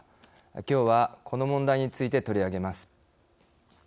きょうは、この問題について取り上げます。